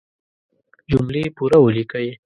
جملې پوره وليکئ!